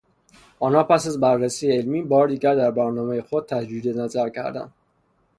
آنها پس از بررسی عملی، بار دیگر در برنامهٔ خود تجدید نظر کردند